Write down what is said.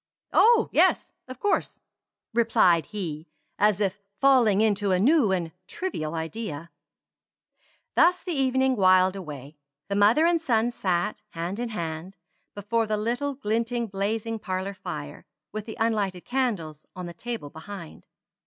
"Oh, yes of course," replied he, as if falling into a new and trivial idea. Thus the evening whiled away. The mother and son sat, hand in hand, before the little glinting blazing parlor fire, with the unlighted candles on the table behind.